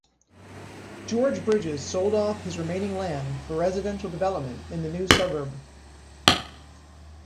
George Bridges sold off his remaining land for residential development in the new suburb.